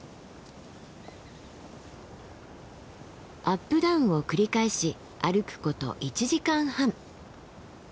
アップダウンを繰り返し歩くこと１時間半。